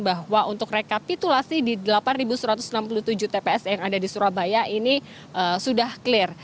bahwa untuk rekapitulasi di delapan satu ratus enam puluh tujuh tps yang ada di surabaya ini sudah clear